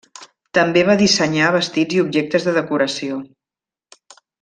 També va dissenyar vestits i objectes de decoració.